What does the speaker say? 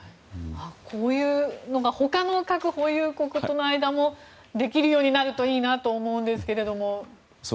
こういうのが他の核保有国との間でもできるようになるといいなと思うんですけど。